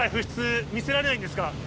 見せられないんですか。